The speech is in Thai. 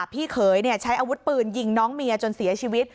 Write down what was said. พี่เขยใช้อาวุธปืนยิงน้องเมียจนเสียชีวิต